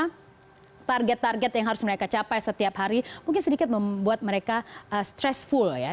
ternyata itu adalah menggunakan target target yang harus mereka capai setiap hari mungkin sedikit membuat mereka stressfull ya